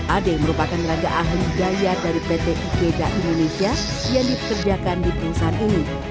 ade merupakan raga ahli daya dari pt ikeda indonesia yang dipekerjakan di perusahaan ini